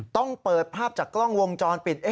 ต้องเปิดภาพจากกล้องวงจรปิด